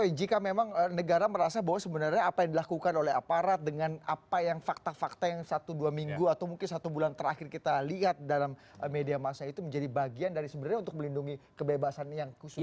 oke jika memang negara merasa bahwa sebenarnya apa yang dilakukan oleh aparat dengan apa yang fakta fakta yang satu dua minggu atau mungkin satu bulan terakhir kita lihat dalam media masa itu menjadi bagian dari sebenarnya untuk melindungi kebebasan yang khusus